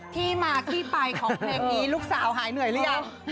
ที่มาที่ไปของเพลงนี้ลูกสาวหายเหนื่อยหรือยัง